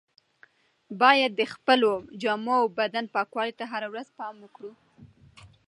باید د خپلو جامو او بدن پاکوالي ته هره ورځ پام وکړو.